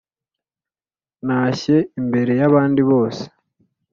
ntashye imbere yabandi bose.